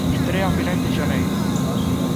Estrea a finais de xaneiro.